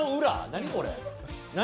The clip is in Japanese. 何、これ。